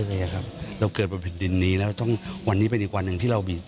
เราเกิดประเภทดินนี้ต้องวันนี้เป็นอีกวันหนึ่ง